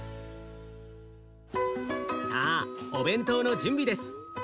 さあお弁当の準備です。